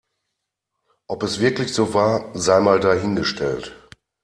Ob es wirklich so war, sei mal dahingestellt.